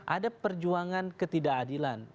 ada perjuangan ketidakadilan